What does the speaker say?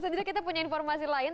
ustaz dira kita punya informasi lain